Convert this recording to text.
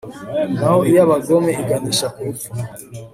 naho iy'abagome iganisha ku rupfu